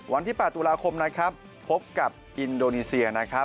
วันที่ปรตุลาคมพบกับอินโดนีเซีย